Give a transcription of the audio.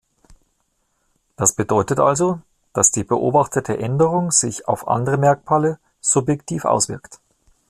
Das bedeutet also, dass die beobachtete Änderung sich auf andere Merkmale subjektiv auswirkt.